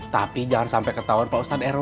tapi jangan sampai ketahuan pak ustad rw